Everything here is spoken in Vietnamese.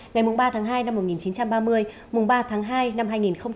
ngày ba tháng hai năm một nghìn chín trăm ba mươi ba tháng hai năm hai nghìn một mươi sáu